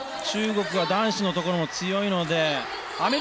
中国が男子のところも強いので。